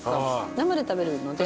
生で食べるので。